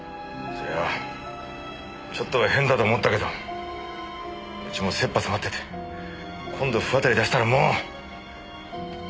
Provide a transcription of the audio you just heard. それはちょっとは変だと思ったけどうちも切羽詰まってて今度不渡り出したらもう！